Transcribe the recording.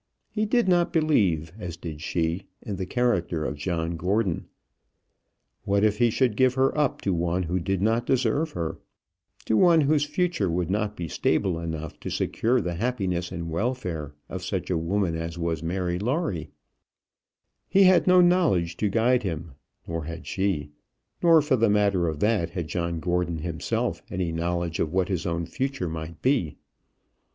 He did not believe, as did she, in the character of John Gordon. What if he should give her up to one who did not deserve her, to one whose future would not be stable enough to secure the happiness and welfare of such a woman as was Mary Lawrie! He had no knowledge to guide him, nor had she; nor, for the matter of that, had John Gordon himself any knowledge of what his own future might be.